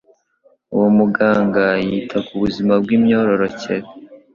Uwo muganga yita ku buzima bw'imyororokere